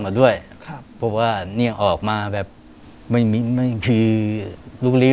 บ๊วยควรหาจริงว่ามันญึกให้ชั้นใช้